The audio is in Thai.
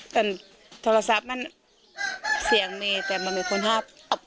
แต่โทรศัพท์มันเสียงมีแต่มันมีคนห้าม